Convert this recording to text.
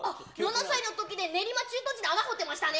歳のときで、練馬駐屯地で穴掘ってましたね。